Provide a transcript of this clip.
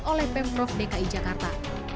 oleh pemprov dki jakarta